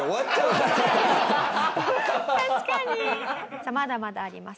さあまだまだあります。